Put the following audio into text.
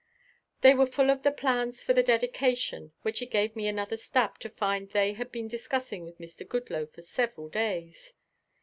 They were full of the plans for the dedication, which it gave me another stab to find they had been discussing with Mr. Goodloe for several days.